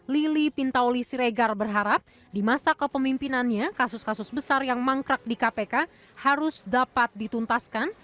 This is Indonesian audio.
lili pintauli siregar berharap di masa kepemimpinannya kasus kasus besar yang mangkrak di kpk harus dapat dituntaskan